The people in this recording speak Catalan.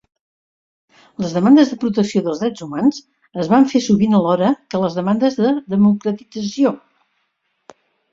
Les demandes de protecció dels drets humans es van fer sovint alhora que les demandes de democratització.